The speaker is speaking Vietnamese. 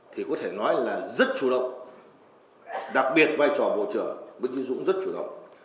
thì có thể nói là rất chủ động đặc biệt vai trò bộ trưởng nguyễn duy dũng rất chủ động